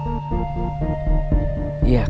jangan sampai kamu zubat lulu